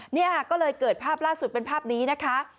เนี่ยก็เลยเกิดภาพล่าสุดเป็นภาพนี้นะคะ